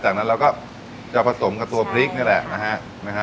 จากนั้นเราก็จะผสมกับตัวพริกนี่แหละนะฮะ